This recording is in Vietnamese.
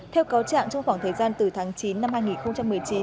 theo cáo trạng trong khoảng thời gian từ tháng chín năm hai nghìn một mươi chín